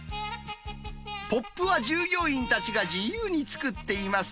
ＰＯＰは従業員たちが自由に作っています。